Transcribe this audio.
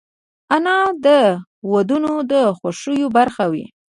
انا د ودونو د خوښیو برخه وي